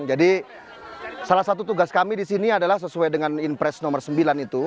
jadi salah satu tugas kami di sini adalah sesuai dengan impres nomor sembilan itu